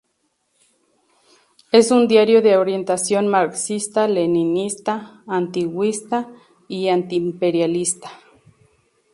Es un diario de orientación marxista-leninista, artiguista y antiimperialista.